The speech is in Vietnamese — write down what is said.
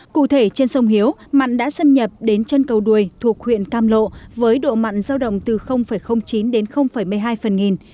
cụ thể trên sông hiếu mặn đã xâm nhập đến chân cầu đuôi thuộc huyện cam lộ với độ mặn giao động từ chín đến một mươi hai phần nghìn